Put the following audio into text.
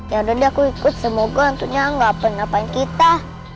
ya udah deh aku ikut semoga hantunya nggak pendapatan kita